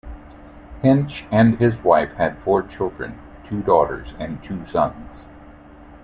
Hench and his wife had four children, two daughters and two sons.